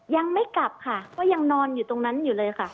ยังไม่กลับค่ะก็ยังนอนอยู่ตรงนั้นอยู่เลยค่ะ